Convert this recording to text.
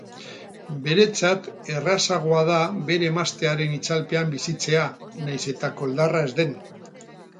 Beretzat errazagoa da bere emaztearen itzalpean bizitzea, nahiz eta koldarra ez den.